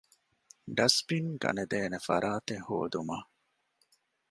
ޑަސްބިން ގަނެދޭނެ ފަރާތެއް ހޯދުމަށް